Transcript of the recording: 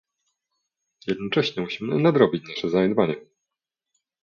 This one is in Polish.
Jednocześnie musimy nadrobić nasze zaniedbanie